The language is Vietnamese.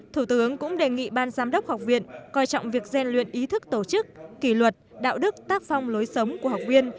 thủ tướng cũng đề nghị ban giám đốc học viện coi trọng việc gian luyện ý thức tổ chức kỷ luật đạo đức tác phong lối sống của học viên